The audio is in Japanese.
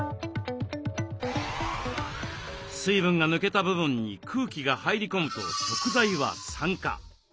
水分が抜けた部分に空気が入り込むと食材は酸化。